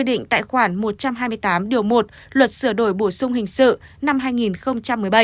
định tại khoản một trăm hai mươi tám điều một luật sửa đổi bổ sung hình sự năm hai nghìn một mươi bảy